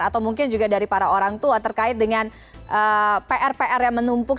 atau mungkin juga dari para orang tua terkait dengan pr pr yang menumpuk